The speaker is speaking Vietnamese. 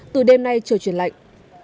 từ đêm nay trời chuyển lạnh